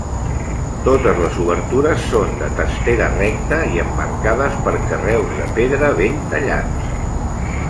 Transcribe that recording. Totes les obertures són de testera recta i emmarcades per carreus de pedra ben tallats.